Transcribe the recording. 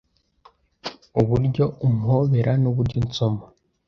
Uburyo umpobera n’uburyo unsoma